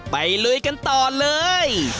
ไปเลยกันต่อเลย